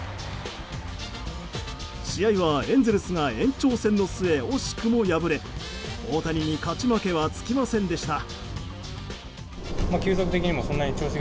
試合はエンゼルスが延長戦の末、惜しくも敗れ大谷に勝ち負けはつきませんでした。